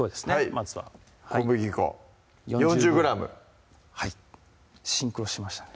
まずは小麦粉４０ｇシンクロしましたね